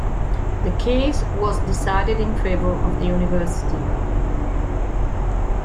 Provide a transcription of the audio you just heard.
The case was decided in favor of the University.